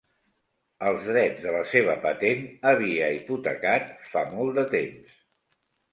Els drets de la seva patent havia hipotecat fa molt de temps.